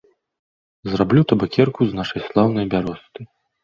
Зраблю табакерку з нашай слаўнай бяросты.